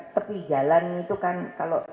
tepi jalan itu kan kalau